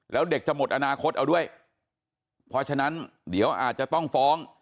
แล้วเด็กจะหมดอนาคตเอาด้วยเพราะฉะนั้นเดี๋ยวอาจจะต้องฟ้อง